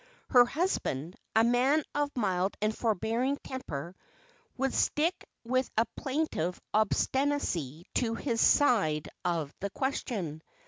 Her husband, a man of mild and forbearing temper, would stick with a plaintive obstinacy to his side of the question.